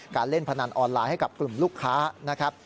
การเล่นพนันออนไลน์ให้กับกลุ่มลูกค้า